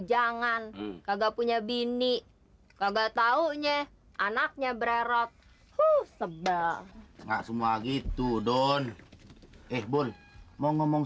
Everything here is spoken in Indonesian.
jangan kagak punya bini kagak taunya anaknya bererot sebal semua gitu don eh bu mau ngomong